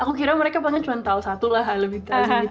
aku kira mereka pengen cuma tahu satu lah lebih keras gitu